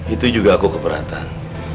itu juga aku keberatan